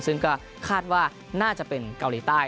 ซึ่งก็คาดว่าน่าจะเป็นเกาหลีใต้